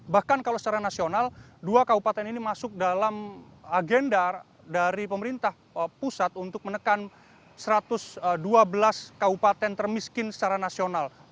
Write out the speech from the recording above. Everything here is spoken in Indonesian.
bahkan kalau secara nasional dua kabupaten ini masuk dalam agenda dari pemerintah pusat untuk menekan satu ratus dua belas kabupaten termiskin secara nasional